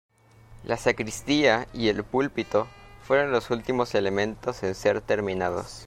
La sacristía y el púlpito fueron los últimos elementos en ser terminados.